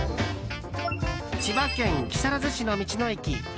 千葉県木更津市の道の駅。